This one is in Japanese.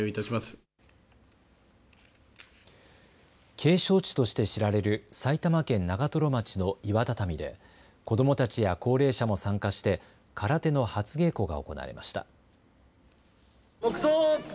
景勝地として知られる埼玉県長瀞町の岩畳で、子どもたちや高齢者も参加して、空手の初稽古が行われました。